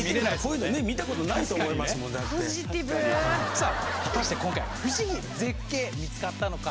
さあ果たして今回不思議×絶景見つかったのか？